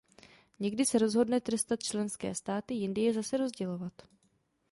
Někdy se rozhodne trestat členské státy, jindy je zase rozdělovat.